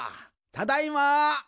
ただいま。